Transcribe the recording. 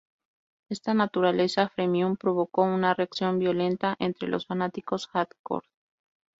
Esta naturaleza "freemium" provocó una reacción violenta entre los fanáticos "hardcore".